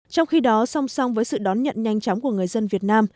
trong khi đó song song với sự đón nhận nhanh chóng của người dân việt nam